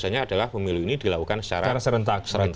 yang penting adalah pemilu ini dilakukan secara serentak